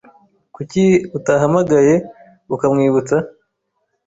Kuki utahamagaye ukamwibutsa?